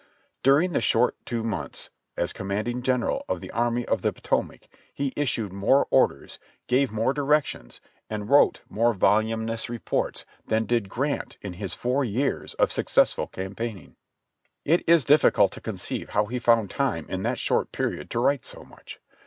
During the short two months as commanding general of the Army of the Potomac he issued more orders, gave more directions, and wrote more voluminous reports than did Grant in his four years of successful campaigning. It is difficult to conceive how he found time in that short period to write so much.